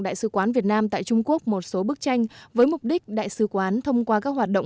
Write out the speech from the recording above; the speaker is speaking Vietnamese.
đại sứ quán việt nam tại trung quốc một số bức tranh với mục đích đại sứ quán thông qua các hoạt động